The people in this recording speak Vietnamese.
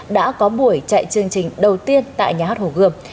đã có buổi chạy chương trình đầu tiên tại nhà hát hồ gươm